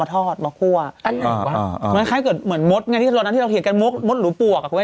มาทอดมาคั่วไงกันเหมือนมดไหมเรากำลังจะเหตุการณ์มดมดหรือปวกก็เจอ